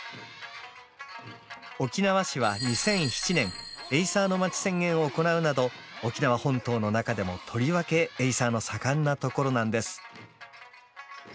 沖縄市は２００７年「エイサーのまち宣言」を行うなど沖縄本島の中でもとりわけエイサーの盛んなところなんです。